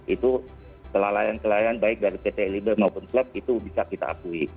itu kelelayan kelelayan baik dari pt lib maupun klep itu bisa kita akui